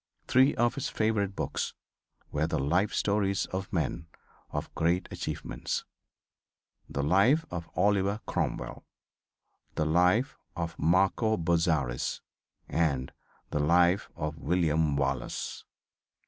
Three of his favorite books were the life stories of men of great achievements: "The Life of Oliver Cromwell," "The Life of Marco Bozarris," and "The Life of William Wallace."